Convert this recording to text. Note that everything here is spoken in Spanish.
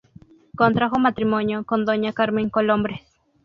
Contrajo matrimonio con doña Carmen Colombres.